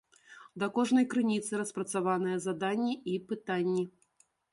Да кожнай крыніцы распрацаваныя заданні і пытанні.